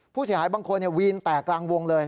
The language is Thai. ผู้เสียหายบางคนวีนแตกกลางวงเลย